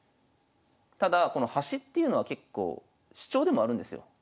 ただこの端っていうのは結構主張でもあるんですよ。